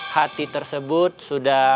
hati tersebut sudah